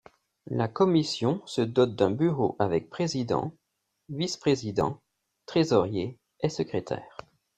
La commission se dote d'un bureau avec président, vice-président, trésorier et secrétaire.